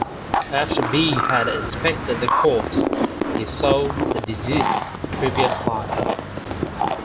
After Big had inspected the corpse, he saw the deceased's previous life.